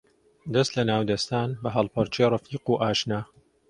دەس لە ناو دەستان، بە هەڵپەڕکێ ڕەفیق و ئاشنا